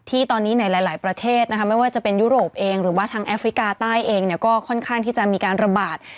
ที่ตอนนี้ในหลายประเทศนะคะไม่ว่าจะเป็นยุโรปเองหรือว่าทางแอฟริกาใต้เองก็ค่อนข้างที่จะมีการระบาด